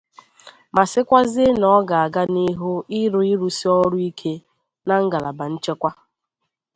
ma sịkwazie na ọ ga-aga n'ihu ịrụ ịrụsi ọrụ ike na ngalaba nchekwa